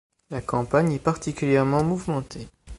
La campagne est particulièrement mouvementée.